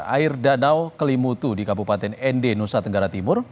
air danau kelimutu di kabupaten nd nusa tenggara timur